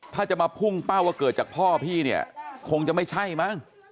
ถ้าจะมาพุ่งเป้าว่าเกิดจากพ่อพี่เนี่ยคงจะไม่ใช่มั้ง